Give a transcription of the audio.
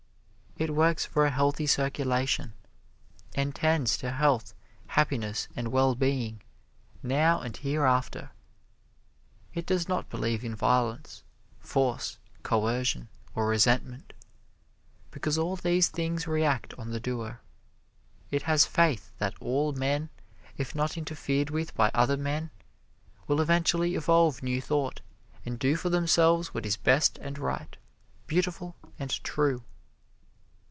It works for a healthy circulation, and tends to health, happiness and well being now and hereafter. It does not believe in violence, force, coercion or resentment, because all these things react on the doer. It has faith that all men, if not interfered with by other men, will eventually evolve New Thought, and do for themselves what is best and right, beautiful and true.